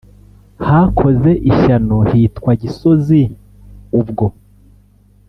hakoze ishyano hitwa gisozi ubwo